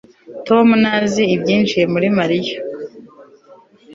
tom ntazi ibyinjiye muri mariya